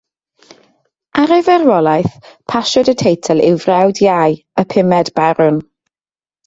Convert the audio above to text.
Ar ei farwolaeth pasiwyd y teitl i'w frawd iau, y pumed Barwn.